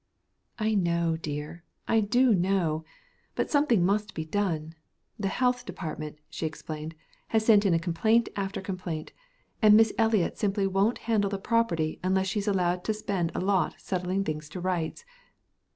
"I know, dear; I do know. But something must be done. The Health Department," she explained, "has sent in complaint after complaint, and Miss Eliot simply won't handle the property unless she's allowed to spend a lot setting things to rights.